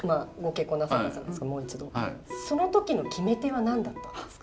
その時の決め手は何だったんですか？